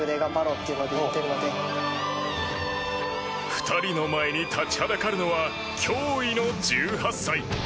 ２人の前に立ちはだかるのは驚異の１８歳。